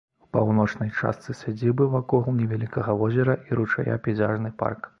У паўночнай частцы сядзібы вакол невялікага возера і ручая пейзажны парк.